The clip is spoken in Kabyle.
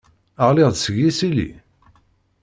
Ɣliɣ-d seg yisili?